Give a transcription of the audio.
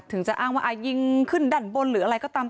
ถึงจะอ้างว่ายิงขึ้นด้านบนหรืออะไรก็ตาม